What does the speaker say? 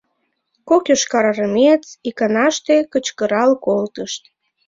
Кок йошкарармеец иканаште кычкырал колтышт: